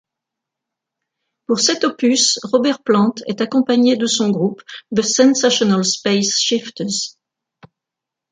Pour cet opus, Robert Plant est accompagné de son groupe, The Sensational Space Shifters.